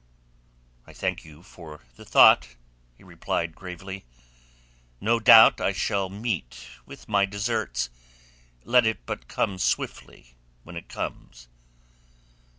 "I thank you for the thought," he replied gravely. "No doubt I shall meet with my deserts. Let it but come swiftly when it comes."